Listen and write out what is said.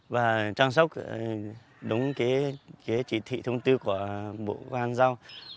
và trang sốc đúng cái chỉ thị thông tư của bộ văn giao